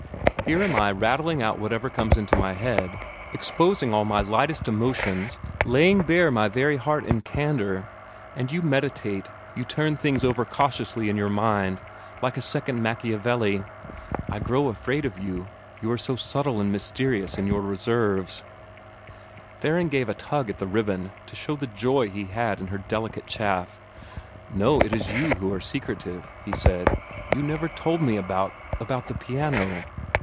Here am I rattling out whatever comes into my head, exposing all my lightest emotions, and laying bare my very heart in candor, and you meditate, you turn things over cautiously in your mind, like a second Machiavelli. I grow afraid of you; you are so subtle and mysterious in your reserves." Theron gave a tug at the ribbon, to show the joy he had in her delicate chaff. "No, it is you who are secretive," he said. "You never told me about about the piano."